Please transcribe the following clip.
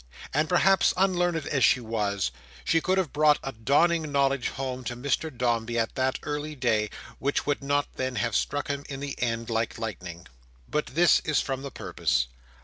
And, perhaps, unlearned as she was, she could have brought a dawning knowledge home to Mr Dombey at that early day, which would not then have struck him in the end like lightning. But this is from the purpose.